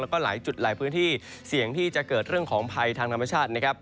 แล้วก็หลายจุดหลายพื้นที่เสี่ยงที่จะเกิดเรื่องของภัยทางธรรมชาตินะครับ